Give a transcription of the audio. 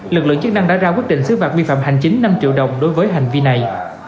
lực lượng chức năng đã ra quyết định xứ phạt vi phạm hành chính năm triệu đồng đối với hành vi này